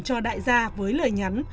cho đại gia với lời nhắn